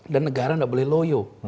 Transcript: dan negara nggak boleh loyo